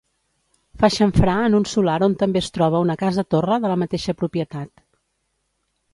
Fa xamfrà en un solar on també es troba una casa-torre de la mateixa propietat.